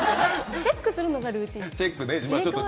チェックするのがルーティンなんです。